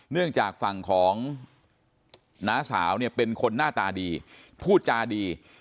เนื่องจากฝั่งของน้าสาวเนี่ยเป็นคนหน้าตาดีพูดจาดี